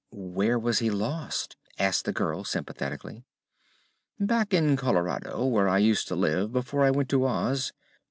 "Where was he lost?" asked the girl sympathetically. "Back in Colorado, where I used to live before I went to Oz.